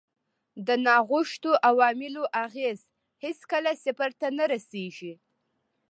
د ناغوښتو عواملو اغېز هېڅکله صفر ته نه رسیږي.